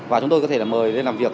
và chúng tôi có thể mời lên làm việc